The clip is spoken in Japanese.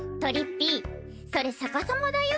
ぴいそれ逆さまだよ。